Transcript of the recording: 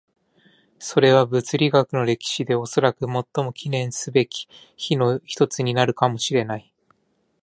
それは物理学の歴史でおそらく最も記念すべき日の一つになるかもしれない。